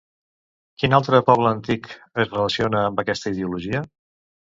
Quin altre poble antic es relaciona amb aquesta ideologia?